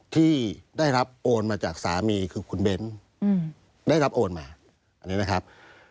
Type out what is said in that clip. ที่ได้รับโอนมาจากสามีคือคุณเบ้นได้รับโอนมาอันนี้นะครับ